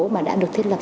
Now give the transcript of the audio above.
mà đã được thiết lập